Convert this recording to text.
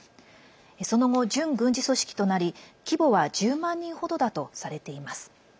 その後、準軍事組織となり規模は１０万人程だとされています。